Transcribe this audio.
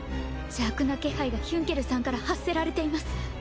邪悪な気配がヒュンケルさんから発せられています。